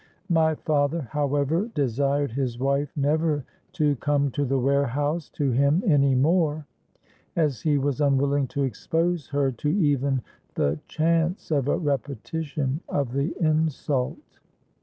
My father, however, desired his wife never to come to the warehouse to him any more, as he was unwilling to expose her to even the chance of a repetition of the insult.